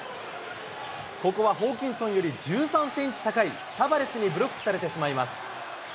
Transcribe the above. ここはホーキンソンより１３センチ高いタバレスにブロックされてしまいます。